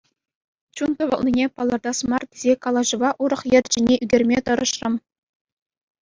Чун тӑвӑлнине палӑртас мар тесе, калаҫӑва урӑх йӗр ҫине ӳкерме тӑрӑшрӑм.